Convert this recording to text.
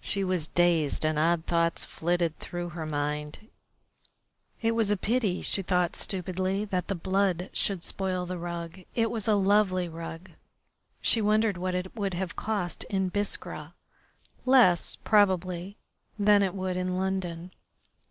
She was dazed, and odd thoughts flitted through her mind. It was a pity, she thought stupidly, that the blood should spoil the rug. It was a lovely rug. She wondered what it would have cost in Biskra less, probably, than it would in London.